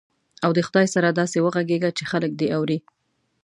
او د خدای سره داسې وغږېږه چې خلک دې اوري.